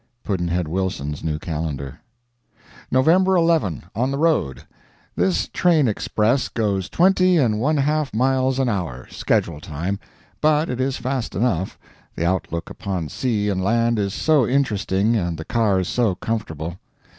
Pudd'nhead Wilson's New Calendar. November 11. On the road. This train express goes twenty and one half miles an hour, schedule time; but it is fast enough, the outlook upon sea and land is so interesting, and the cars so comfortable.